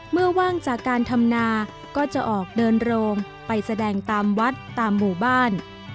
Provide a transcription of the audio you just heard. ว่างจากการทำนาก็จะออกเดินโรงไปแสดงตามวัดตามหมู่บ้าน